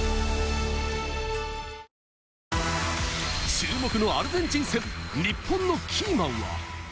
注目のアルゼンチン戦、日本のキーマンは？